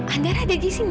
andara ada di sini